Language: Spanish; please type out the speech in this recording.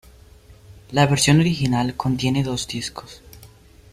La versión original contiene dos discos.